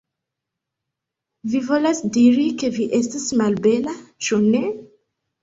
Vi volas diri, ke vi estas malbela, ĉu ne?